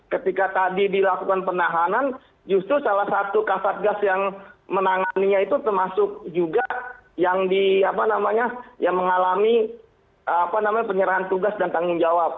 ketika tadi dilakukan penahanan justru salah satu kasatgas yang menangannya itu termasuk juga yang mengalami penyerahan tugas dan tanggung jawab